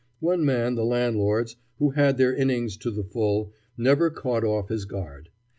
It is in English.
One man the landlords, who had their innings to the full, never caught off his guard.